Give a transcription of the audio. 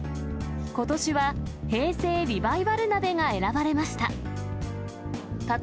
ことしは平成リバイバル鍋が選ばれました。